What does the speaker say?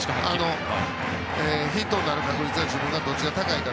ヒットになる確率はどっちが高いか。